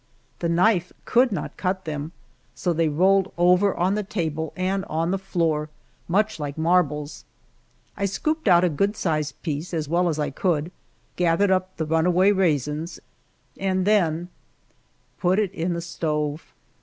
The knife could not cut them, so they rolled over on the table and on the floor, much like marbles. I scooped out a good sized piece as well as I could, gathered up the runaway raisins, and then put it in the stove.